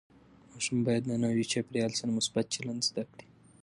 ماشوم باید د نوي چاپېریال سره مثبت چلند زده کړي.